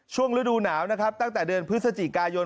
ฤดูหนาวนะครับตั้งแต่เดือนพฤศจิกายน